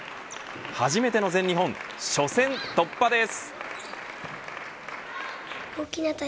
初めての全日本、初戦突破です。